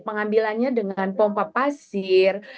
pengambilannya dengan pompa pasir